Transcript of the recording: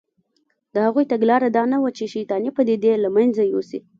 د هغوی تګلاره دا نه وه چې شیطانې پدیدې له منځه یوسي